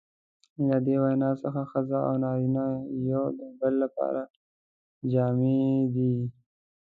له دې وینا څخه ښځه او نارینه یو د بل لپاره جامې دي.